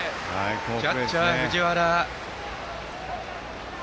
キャッチャーの藤原。